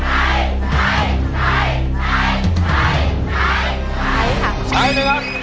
ใช้นี่ครับ